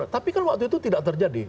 tapi kan waktu itu tidak terjadi